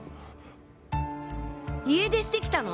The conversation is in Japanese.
家出してきたの？